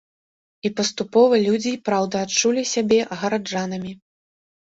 І паступова людзі і праўда адчулі сябе гараджанамі!